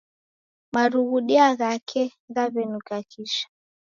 Marughudia ghake ghawenuka kisha